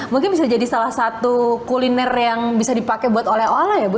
mungkin bisa jadi salah satu kuliner yang bisa dipakai buat oleh oleh ya bu